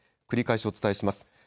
繰り返しお伝えします。